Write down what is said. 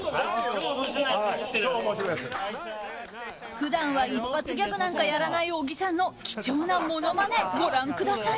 普段は一発ギャグなんかやらない小木さんの貴重なものまね、ご覧ください。